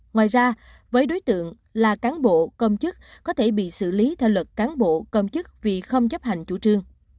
ngoài ra với đối tượng là cán bộ công chức có thể bị xử lý theo luật cán bộ công chức vì không chấp hành chủ trương